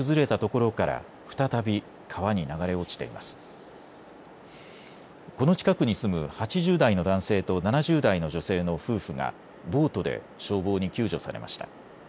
この近くに住む８０代の男性と７０代の女性の夫婦がボートで消防に救助されました。